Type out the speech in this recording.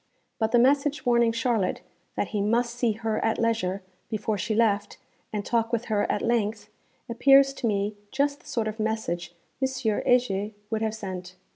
But the message warning Charlotte 'that he must see her at leisure, before she left, and talk with her at length,' appears to me just the sort of message M. Heger would have sent.